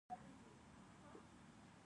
کندز سیند د افغانانو ژوند اغېزمن کوي.